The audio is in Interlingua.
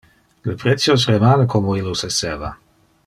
Le precios remane como illos esseva.